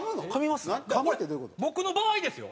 僕の場合ですよ